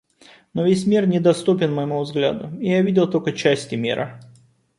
Но весь мир недоступен моему взгляду, и я видел только части мира.